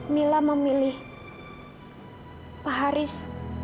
mila memilih pak haris